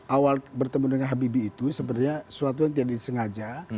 awal bertemu dengan habibie itu sebenarnya sesuatu yang tidak disengaja